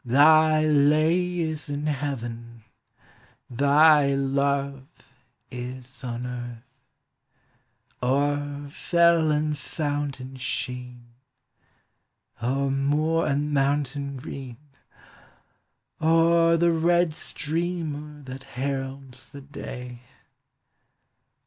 Thy lay is in heaven, thy love is on earth. O'er fell and fountain sheen, O'er moor and mountain green, O'er the red streamer that heralds the day.